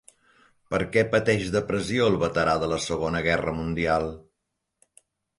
Per què pateix depressió el veterà de la Segona Guerra Mundial?